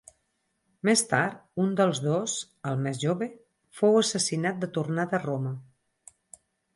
Més tard, un dels dos, el més jove, fou assassinat de tornada a Roma.